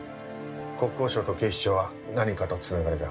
国交省と警視庁は何かと繋がりが深い。